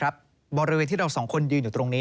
บริเวณที่เราสองคนยืนอยู่ตรงนี้